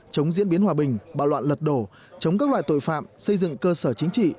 chống diễn biến hòa bình bạo loạn lật đổ chống các loại tội phạm xây dựng cơ sở chính trị